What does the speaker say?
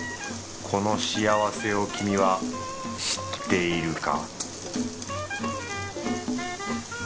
この幸せを君は知っているか？